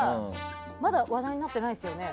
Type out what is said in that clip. まだ話題になってないですよね。